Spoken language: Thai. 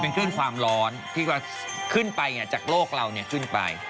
เป็นขึ้นความร้อนที่ก็ขึ้นไปจากโลกล่วงขึ้นไป